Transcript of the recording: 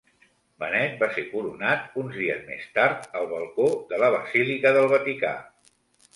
Benet va ser coronat uns dies més tard al balcó de la basílica del Vaticà.